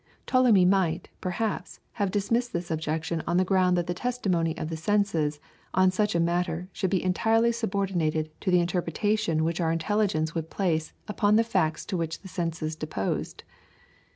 Ptolemy might, perhaps, have dismissed this objection on the ground that the testimony of the senses on such a matter should be entirely subordinated to the interpretation which our intelligence would place upon the facts to which the senses deposed.